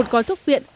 một gói thuốc phiện